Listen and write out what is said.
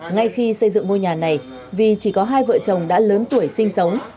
ngay khi xây dựng ngôi nhà này vì chỉ có hai vợ chồng đã lớn tuổi sinh sống